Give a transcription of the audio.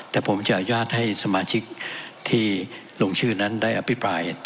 แต่ผมจะอนุญาตให้สมาชิกที่ลงชื่อนั้นได้อภิปราย